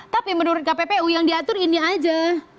tapi menurut kppu yang diatur ini aja